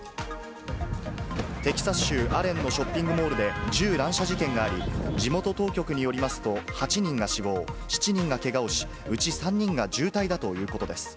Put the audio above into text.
テキサス州アレンのショッピングモールで銃乱射事件があり、地元当局によりますと、８人が死亡、７人がけがをし、うち３人が重体だということです。